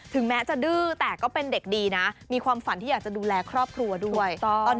แม้จะดื้อแต่ก็เป็นเด็กดีนะมีความฝันที่อยากจะดูแลครอบครัวด้วย